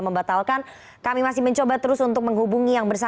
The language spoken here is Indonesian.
sebenarnya ibu hanya bicara secara umum